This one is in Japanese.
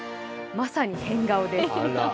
まさに変顔です。